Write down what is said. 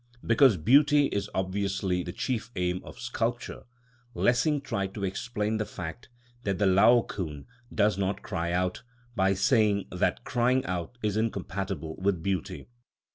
Because beauty is obviously the chief aim of sculpture, Lessing tried to explain the fact that the Laocoon does not cry out, by saying that crying out is incompatible with beauty.